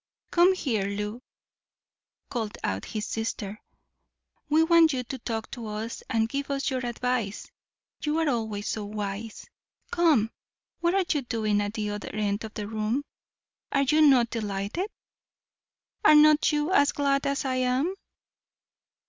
"Come here, Lew," called out his sister; "we want you to talk to us and give us your advice; you are always so wise. Come, what are you doing at the other end of the room? Are you not delighted? Are not you as glad as I am?"